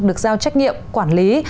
được giao trách nhiệm quản lý